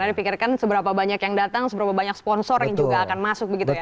karena dipikirkan seberapa banyak yang datang seberapa banyak sponsor yang juga akan masuk